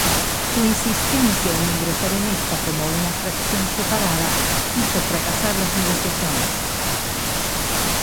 Su insistencia en ingresar en esta como una fracción separada hizo fracasar las negociaciones.